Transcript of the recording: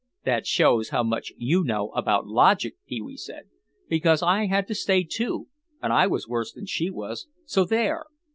"That shows how much you know about logic," Pee wee said, "because I had to stay too and I was worse than she was. So there."